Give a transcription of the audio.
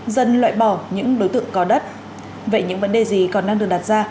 dần loại bỏ những đối tượng có đất vậy những vấn đề gì còn đang được đặt ra